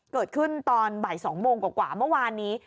เกิดขึ้นตอนบ่าย๒โมงกว่าเมื่อวานนี้